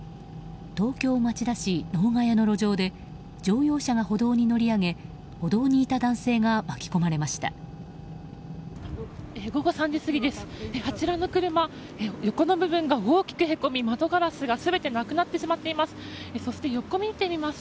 東京・町田市能ヶ谷の路上で乗用車が歩道に乗り上げ歩道にいた男性が午後３時過ぎです。